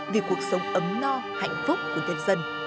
vì cuộc sống ấm no hạnh phúc của nhân dân